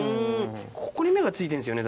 ここに目がついてんですよね。